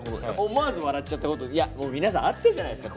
思わず笑っちゃったこと皆さんあったじゃないですか